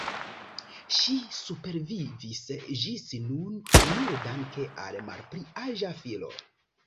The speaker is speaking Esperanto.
Ŝi supervivis ĝis nun nur danke al la malpli aĝa filo.